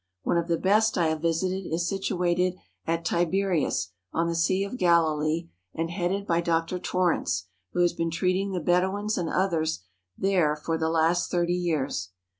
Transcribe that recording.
One of the best I have visited is situated at Tiberias, on the Sea of Galilee, and headed by Dr. Torrence, who has been treating the Bedouins and others there for the last thirty years.